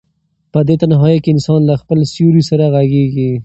په دې تنهایۍ کې انسان له خپل سیوري سره غږېږي.